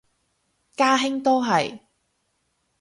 家兄都係